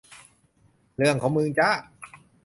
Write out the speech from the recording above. เรื่องของมึงจ้า